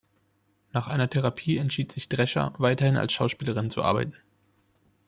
Nach einer Therapie entschied sich Drescher, weiterhin als Schauspielerin zu arbeiten.